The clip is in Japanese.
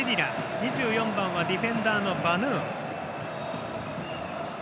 ２４番はディフェンダーのバヌーン。